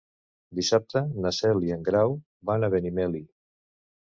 Dissabte na Cel i en Grau van a Benimeli.